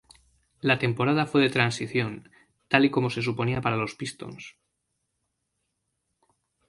La temporada fue de transición, tal y como se suponía para los Pistons.